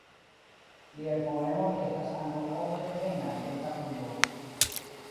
Liaj poemoj estas ankaŭ ofte plenaj de satiro.